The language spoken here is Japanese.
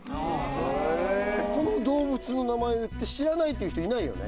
この動物の名前を言って知らないっていう人いないよね？